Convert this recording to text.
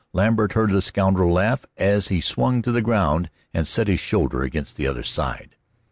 Lambert heard the scoundrel laugh as he swung to the ground and set his shoulder against the other side.